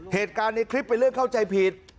เหตุการณ์ในคลิปเป็นเรื่องเข้าใจผิด